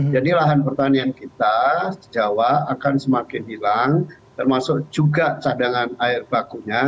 jadi lahan pertanian kita jawa akan semakin hilang termasuk juga cadangan air bakunya